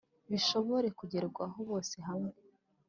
bishobore kugerwaho, bose hamwe